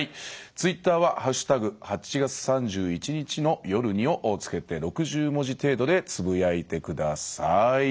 ツイッターは「＃８月３１日の夜に」を付けて６０文字程度でつぶやいてください。